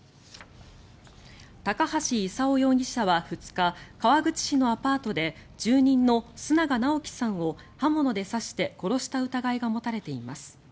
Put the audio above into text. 高橋勲容疑者は２日川口市のアパートで住人の須永尚樹さんを刃物で刺して殺した疑いが持たれています。